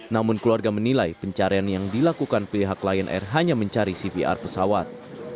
namun keluarga menilai pencarian yang dilakukan pihak lion air hanya mencari cvr pesawat